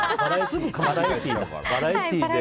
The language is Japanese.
バラエティーだ。